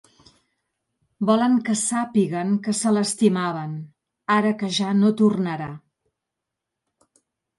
Volen que sàpiguen que se l'estimaven, ara que ja no tornarà.